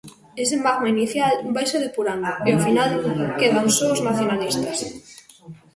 Ese magma inicial vaise depurando e ao final quedan só os nacionalistas.